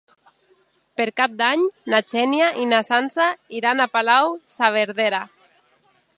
Per Cap d'Any na Xènia i na Sança iran a Palau-saverdera.